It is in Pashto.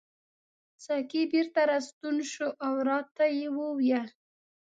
ساقي بیرته راستون شو او راته یې وویل.